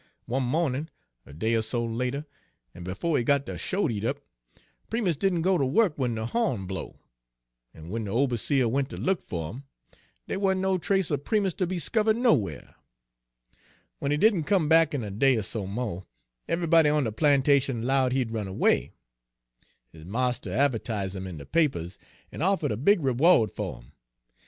One mawnin', a day er so later, en befo' he got de shote eat up, Primus didn' go ter wuk w'en de hawn blow, en w'en de oberseah wen' ter look fer him, dey wa' no trace er Primus ter be 'skivered nowhar. W'en he didn' come back in a day er so mo', eve'ybody on de plantation 'lowed he had runned erway. His marster a'vertise' him in de papers, en offered a big reward fer 'im.